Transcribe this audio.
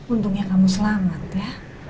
untungnya kamu selamat ya